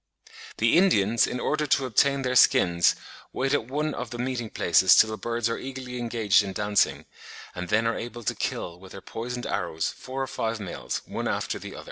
The Indians, in order to obtain their skins, wait at one of the meeting places till the birds are eagerly engaged in dancing, and then are able to kill with their poisoned arrows four or five males, one after the other.